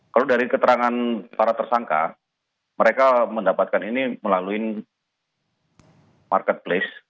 kalau dari keterangan para tersangka mereka mendapatkan ini melalui marketplace